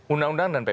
undang undang dan pp